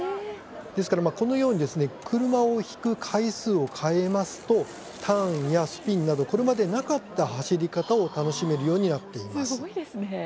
ですから、このように車を引く回数を変えますとターンやスピンなどこれまでなかった走り方をすごいですね。